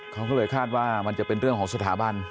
เขาก็เลยคาดว่ามันจะเป็นเรื่องของสถาบัน